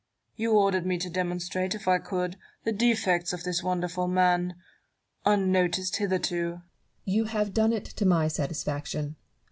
You ordered me to demonstrate, if I could, the defects of this wonderful man, unnoticed hitherto. Barrow. You have done it to my satisfaction.